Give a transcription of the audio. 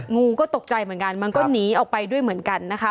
งูก็ตกใจเหมือนกันมันก็หนีออกไปด้วยเหมือนกันนะคะ